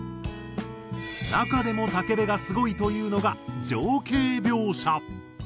中でも武部がすごいと言うのが情景描写。